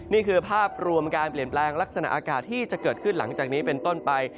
นี่คือภาพรวมการเปลี่ยนแปลงลักษณะอากาศที่จะเกิดขึ้นหลังจากนี้เป็นต้นไป